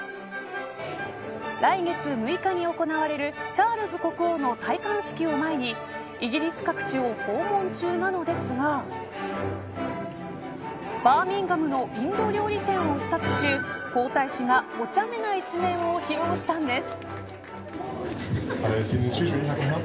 来月６日に行われるチャールズ国王の戴冠式を前に、イギリス各地を訪問中なのですがバーミンガムのインド料理店を視察中皇太子がおちゃめな一面を披露したんです。